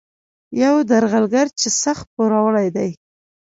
یو درغلګر چې سخت پوروړی دی.